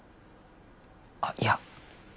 あっいや